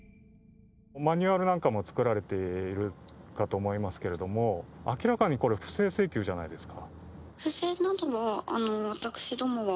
マニュアルなんかも作られているかと思いますけれども明らかにこれは不正請求じゃないですか？